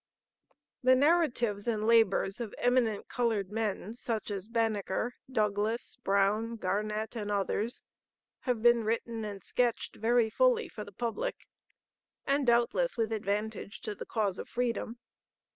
The narratives and labors of eminent colored men such as Banneker, Douglass, Brown, Garnet, and others, have been written and sketched very fully for the public, and doubtless with advantage to the cause of freedom.